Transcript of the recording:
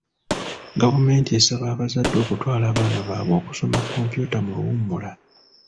Gavumenti esaba abazadde okutwala abaana baabwe okusoma kompyuta mu luwummula.